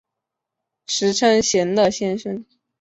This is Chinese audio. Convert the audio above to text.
时称闲乐先生。